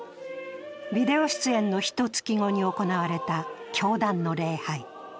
ビデオ出演のひとつき後に行われた教団の礼拝。